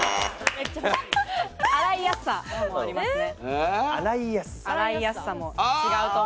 洗いやすさもありますね。